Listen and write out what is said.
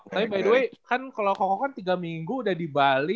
tapi by the way kan kalo ko ko kan tiga minggu udah di bali